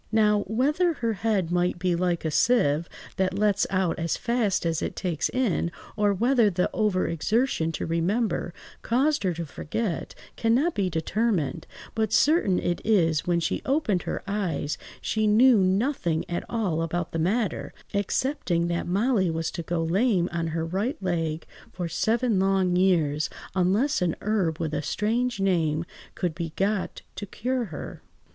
Now, whether her head might be like a sieve, that lets out as fast as it takes in, or whether the over–exertion to remember caused her to forget, cannot be determined, but certain it is when she opened her eyes, she knew nothing at all about the matter, excepting that Molly was to go lame on her right leg for seven long years, unless a herb with a strange name could be got to cure her.